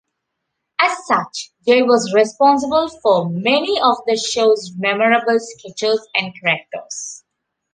As such, Jay was responsible for many of the show's memorable sketches and characters.